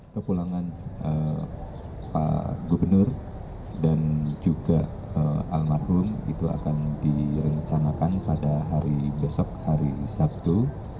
kepulangan pak gubernur dan juga almarhum itu akan direncanakan pada hari besok hari sabtu